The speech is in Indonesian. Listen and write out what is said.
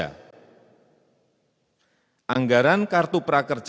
yang ketiga tentang kartu prakerja